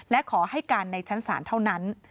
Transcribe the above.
และขอให้การในชั้นศาลเท่านั้น